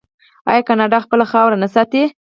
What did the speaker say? آیا کاناډا خپله خاوره نه ساتي؟